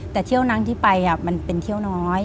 แต่เที่ยวนั้นที่ไปมันเป็นเที่ยวน้อย